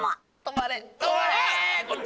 止まれっ！